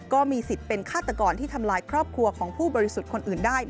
ก็มีสิทธิ์เป็นฆาตกรที่ทำลายครอบครัวของผู้บริสุทธิ์คนอื่นได้